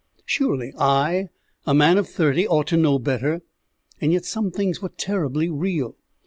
Surely I, a man of thirty, ought to know better? And yet some things were terribly real.